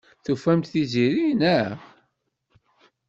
Tufamt-d Tiziri, naɣ?